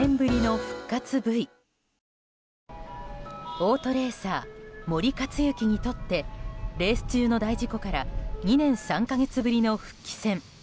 オートレーサー森且行にとってレース中の大事故から２年３か月ぶりの復帰戦。